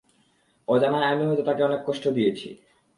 অজানায়, আমি হয়তো তাকে অনেক কষ্ট দিয়েছি।